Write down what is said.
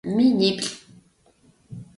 Миниплӏ.